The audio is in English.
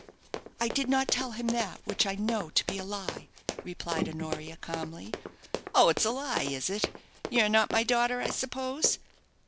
"I did not tell him that which I know to be a lie," replied Honoria, calmly. "Oh, it's a lie, is it? You are not my daughter, I suppose?"